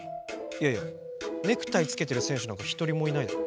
いやいやネクタイつけてる選手なんかひとりもいないぞ。